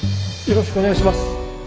よろしくお願いします。